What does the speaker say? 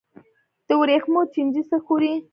د ورېښمو چینجی څه خوري؟